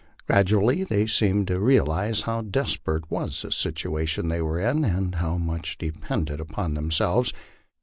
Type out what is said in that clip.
Gradually they seemed to realize how desperate was the situation they were in, and how much depended upon themselves.